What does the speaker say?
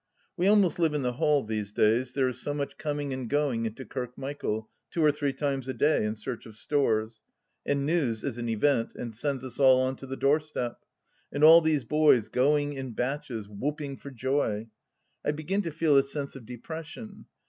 We almost live in the hall, these days, there is so much coming and going into Kirkmichael, two or three times a day, in search of stores ; and news is an event, and sends us all on to the doorstep. And all these boys going, in batches, whoop ing for joy ! I begin to feel a sense of depression.